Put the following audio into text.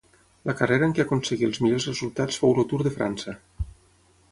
La carrera en què aconseguí els millors resultats fou el Tour de França.